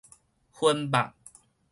薰肉